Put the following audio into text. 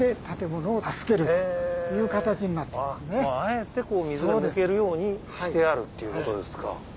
あえて水が抜けるようにしてあるっていうことですか。